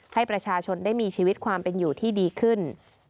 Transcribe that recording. ให้ประชาชนได้มีชีวิตความเป็นอยู่ที่ดีขึ้น